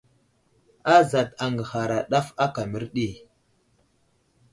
Azat aŋgəhara ɗaf aka mərdi.